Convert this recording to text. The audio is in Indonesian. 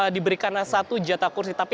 diberikanlah satu jatah kursi tapi